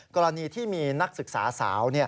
กรณีที่มีนักศึกษาสาว